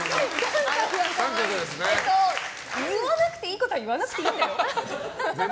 言わなくていいことは言わなくていいんだよ。